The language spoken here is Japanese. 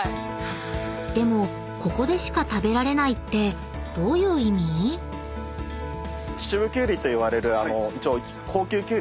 ［でもここでしか食べられないってどういう意味？］といわれる一応。